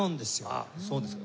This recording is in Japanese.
あっそうですか。